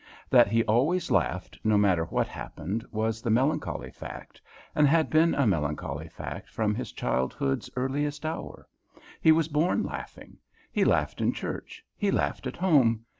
That he always laughed, no matter what happened, was the melancholy fact, and had been a melancholy fact from his childhood's earliest hour. He was born laughing. He laughed in church, he laughed at home.